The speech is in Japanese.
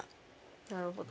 なるほど。